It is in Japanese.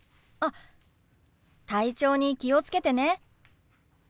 あ体調に気をつけてね。